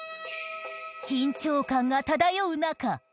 ［緊張感が漂う中］